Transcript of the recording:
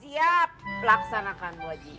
siap laksanakan boji